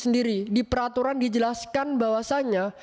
sendiri di peraturan dijelaskan bahwasannya